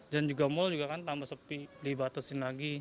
dan juga mal juga kan tambah sepi dibatusin lagi